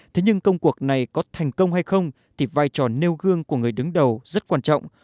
thế nhưng công cuộc này có thành công hay không thì vai trò nêu gương của người đứng đầu rất quan trọng